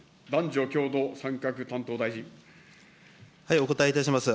お答えいたします。